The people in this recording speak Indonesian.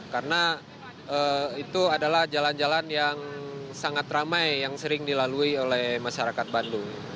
karena itu adalah jalan jalan yang sangat ramai yang sering dilalui oleh masyarakat bandung